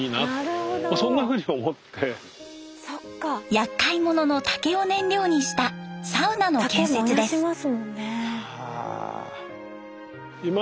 やっかいものの竹を燃料にしたサウナの建設です。